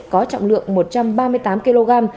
có trọng lượng một trăm ba mươi tám kg